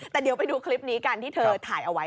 แต่เดี๋ยวไปดูคลิปนี้กันที่เธอถ่ายเอาไว้